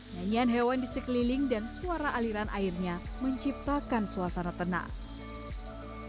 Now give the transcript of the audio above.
nyanyian hewan di sekeliling dan suara aliran airnya menciptakan suasana tenang